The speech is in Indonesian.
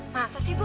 masa sih bu